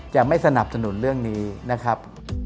จะไม่สนับสนุนเรื่องนี้นะครับ